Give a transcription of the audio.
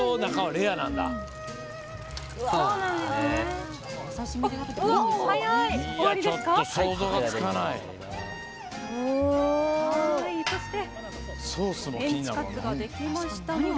メンチカツができました。